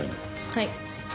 はい。